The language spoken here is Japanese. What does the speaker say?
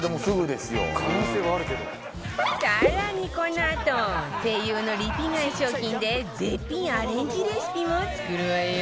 更にこのあと ＳＥＩＹＵ のリピ買い商品で絶品アレンジレシピも作るわよ